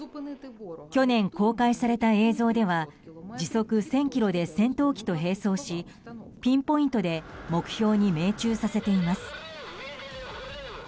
去年公開された映像では時速１０００キロで戦闘機と並走しピンポイントで目標に命中させています。